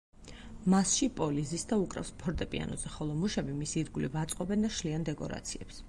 მასში პოლი ზის და უკრავს ფორტეპიანოზე, ხოლო მუშები მის ირგვლივ აწყობენ და შლიან დეკორაციებს.